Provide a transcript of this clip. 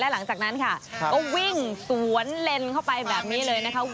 หลังจากนั้นค่ะก็วิ่งสวนเลนเข้าไปแบบนี้เลยนะคะ